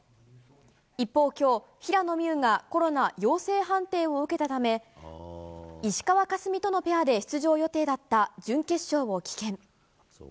一方、今日、平野美宇がコロナ陽性判定を受けたため石川佳純とのペアで出場予定だった準決勝を棄権。